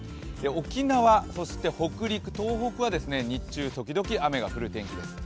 沖縄、そして北陸、東北は日中時々雨が降る天気です。